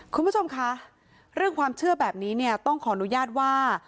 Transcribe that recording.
คุณผู้ชมคะเรื่องความเชื่อแบบนี้เนี่ยต้องขออนุญาตว่า